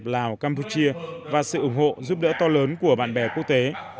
lào campuchia và sự ủng hộ giúp đỡ to lớn của bạn bè quốc tế